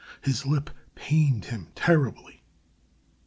His lip pained him terribly.